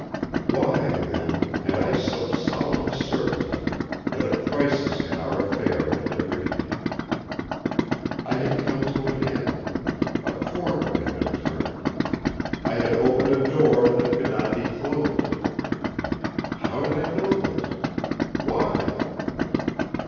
Why, then, had I so solemn a certainty that a crisis in our affair had been reached. I had come to an end; a corner had been turned. I had opened a door that could not be closed. How did I know this? Why?